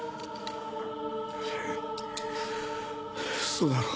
嘘だろ？